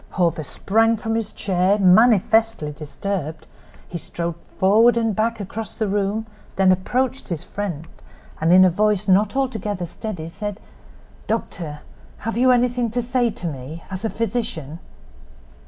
Hawver sprang from his chair, manifestly disturbed. He strode forward and back across the room; then approached his friend, and in a voice not altogether steady, said: "Doctor, have you anything to say to me—as a physician?"